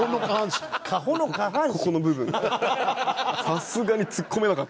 ここの部分が。